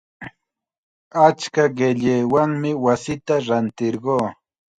Achka qillaywanmi wasita rantirquu.